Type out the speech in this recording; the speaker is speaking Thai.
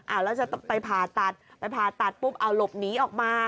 แล้วจะไปผ่าตัดไปผ่าตัดปุ๊บเอาหลบหนีออกมา